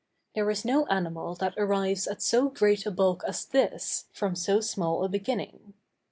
There is no animal that arrives at so great a bulk as this, from so small a beginning.